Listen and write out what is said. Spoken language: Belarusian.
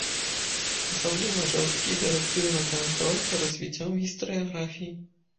Асабліва жорсткі і дырэктыўны кантроль за развіццём гістарыяграфіі.